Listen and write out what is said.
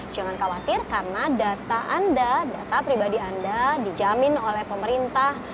jangan khawatir karena data anda data pribadi anda dijamin oleh pemerintah